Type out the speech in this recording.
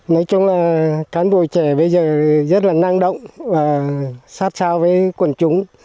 nói chung là cán bộ trẻ bây giờ rất là năng động và sát sao với quần chúng